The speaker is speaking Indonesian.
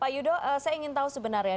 pak yudo saya ingin tahu sebenarnya